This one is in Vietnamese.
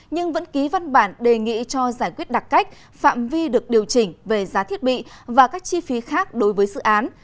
nhưng vẫn ký văn bản đề nghị cho giải quyết đặc cách phạm vi được điều chỉnh về giá thiết bị và các chi phí khác đối với dự án